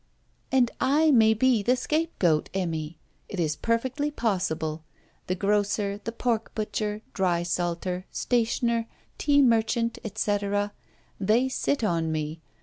'And I may be the scapegoat, Emmy! It is perfectly possible. The grocer, the pork butcher, drysalter, stationer, tea merchant, et caetera they sit on me.